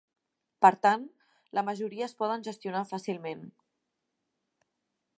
Per tant, la majoria es poden gestionar fàcilment.